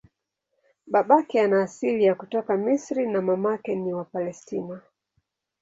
Babake ana asili ya kutoka Misri na mamake ni wa Palestina.